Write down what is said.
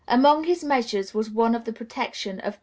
Among his measures was one for the protection of game.